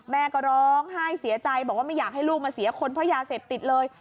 แม่ก็ร้องไห้เสียใจบอกว่าไม่อยากให้ลูกมาเสียคนเพราะยาเสพติดเลย